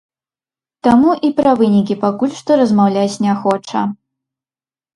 Таму і пра вынікі пакуль што размаўляць не хоча.